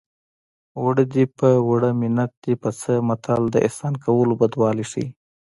اوړه دې په اوړه منت دې په څه متل د احسان کولو بدوالی ښيي